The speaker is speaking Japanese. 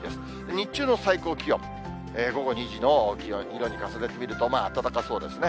日中の最高気温、午後２時の気温、色に重ねてみると、暖かそうですね。